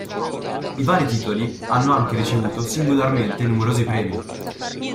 I vari titoli hanno anche ricevuto singolarmente numerosi premi.